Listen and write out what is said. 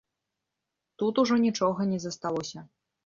Тут ужо нічога не засталося.